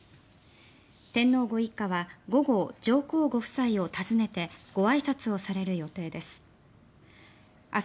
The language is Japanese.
天皇ご一家は午後、上皇ご夫妻を訪ねてごあいさつをされる予定です。